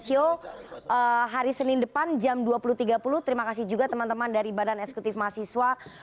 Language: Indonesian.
show hari senin depan jam dua puluh tiga puluh terima kasih juga teman teman dari badan eksekutif mahasiswa